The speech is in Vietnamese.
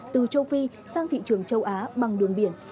từ châu phi sang thị trường châu á bằng đường biển